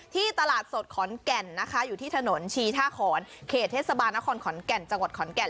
ตลาดสดขอนแก่นนะคะอยู่ที่ถนนชีท่าขอนเขตเทศบาลนครขอนแก่นจังหวัดขอนแก่น